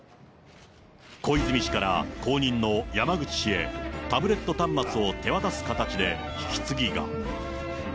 小泉氏から後任の山口氏へ、タブレット端末を手渡す形で引き継ぎが。